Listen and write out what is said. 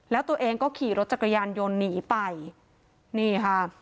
แล้วตัวเองก็ขี่รถจักรยานยนต์หนีไปนี่ค่ะ